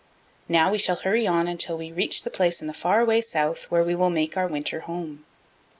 Now we shall hurry on until we reach the place in the far away South where we will make our winter home."